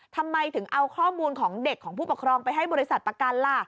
ทำไมถึงเอาข้อมูลของเด็กของผู้ปกครองไปให้บริษัทประกันล่ะ